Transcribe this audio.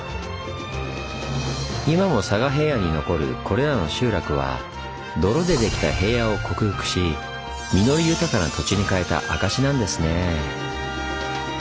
今も佐賀平野に残るこれらの集落は泥でできた平野を克服し実り豊かな土地に変えた証しなんですねぇ。